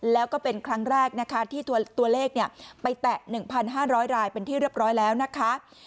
แล้วก็เป็นครั้งแรกนะคะที่ตัวเลขไปแตะ๑๕๐๐รายเป็นที่เรียบร้อยแล้วนะคะ